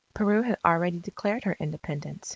Peru had already declared her Independence.